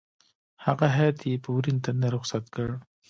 هغه هېئت یې په ورین تندي رخصت کړ.